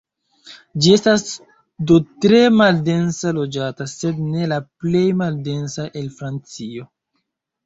Ĝi estas do tre maldense loĝata, sed ne la plej maldensa el Francio.